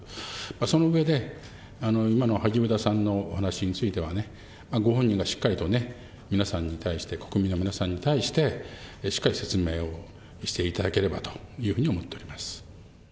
その上で、今の萩生田さんの話についてはね、ご本人がしっかりとね、皆さんに対して、国民の皆さんに対してしっかり説明をしていただければというふうに思っております。